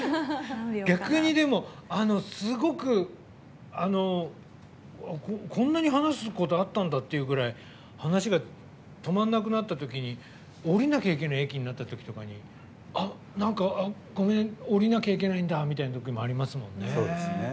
逆に、すごくこんなに話すことあったんだっていうぐらい話が止まらなくなった時に降りなきゃいけない駅になったときとかにごめん降りなきゃいけないんだみたいな時ありますもんね。